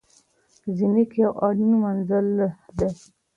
زینک یو اړین منرال دی.